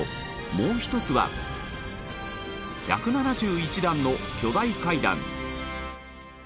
もう１つは「１７１段の巨大階段」